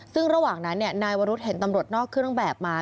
ซึ่งระหว่างนั้นนายวรุษเห็นตำรวจนอกเครื่องแบบมา